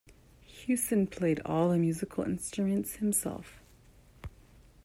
Hewson played all the musical instruments himself.